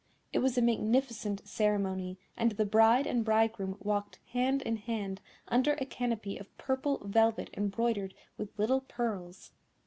It was a magnificent ceremony, and the bride and bridegroom walked hand in hand under a canopy of purple velvet embroidered with little pearls.